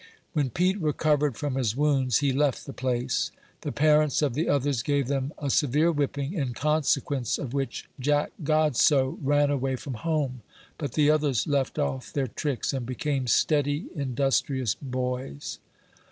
When Pete recovered from his wounds he left the place. The parents of the others gave them a severe whipping, in consequence of which Jack Godsoe ran away from home, but the others left off their tricks, and became steady, industrious boys.